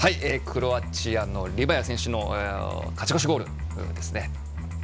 クロアチアのリバヤ選手の勝ち越しゴールですね。